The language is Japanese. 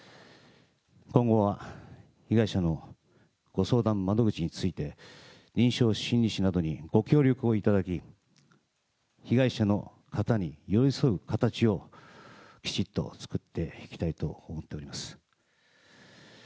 今後は被害者のご相談窓口について、臨床心理士などにご協力をいただき、被害者の方に寄り添う形をきちっと作っていきたいと思っております。